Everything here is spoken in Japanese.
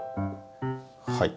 はい。